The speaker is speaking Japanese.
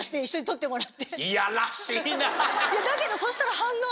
だけどそしたら。